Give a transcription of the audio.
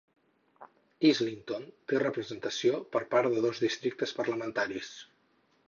Islington té representació per part de dos districtes parlamentaris.